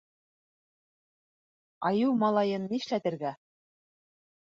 Айыу малайын нишләтергә?